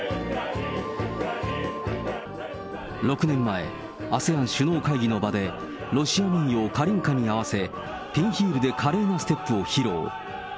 ６年前、ＡＳＥＡＮ首脳会議の場で、ロシア民謡、カリンカに合わせ、ピンヒールで華麗なステップを披露。